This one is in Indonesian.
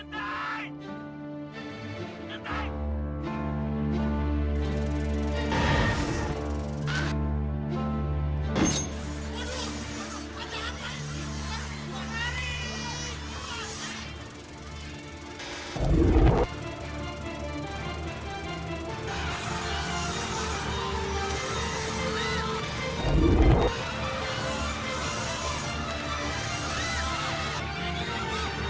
naikkan ke gerobak cepat